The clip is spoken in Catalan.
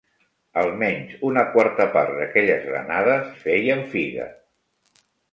Almenys una quarta part d'aquelles granades feien figa